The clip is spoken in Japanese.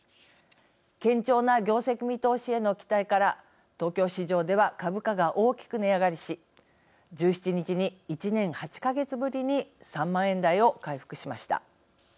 堅調な業績見通しへの期待から東京市場では株価が大きく値上がりし１７日に、１年８か月ぶりに３万円台を回復しました。